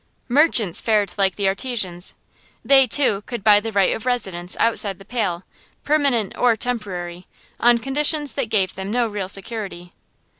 Merchants fared like the artisans. They, too, could buy the right of residence outside the Pale, permanent or temporary, on conditions that gave them no real security.